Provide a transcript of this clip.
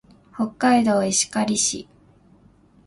北海道石狩市